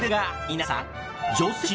皆さん。